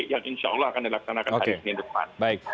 yang insya allah akan dilaksanakan hari senin depan